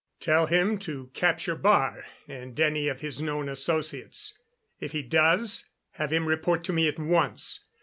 "Tell him to capture Baar and any of his known associates. If he does, have him report to me at once.